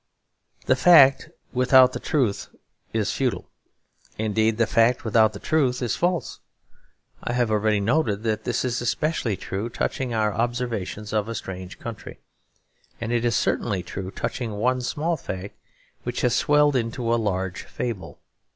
The fact without the truth is futile; indeed the fact without the truth is false. I have already noted that this is especially true touching our observations of a strange country; and it is certainly true touching one small fact which has swelled into a large fable.